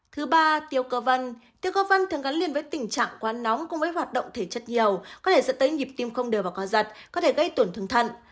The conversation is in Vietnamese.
thứ ba tiêu cơ văn tiêu cơ văn thường gắn liền với tình trạng quá nóng cùng với hoạt động thể chất nhiều có thể dẫn tới nhịp tim không đều vào co giật có thể gây tổn thương thận